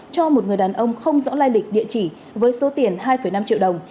cho một người đàn ông không rõ lai lịch địa chỉ với số tiền hai năm triệu đồng